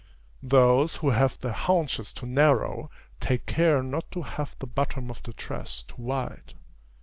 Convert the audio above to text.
Those who have the haunches too narrow, take care not to have the bottom of the dress too wide.